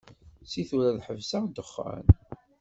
Si tura ad ḥebseɣ ddexxan.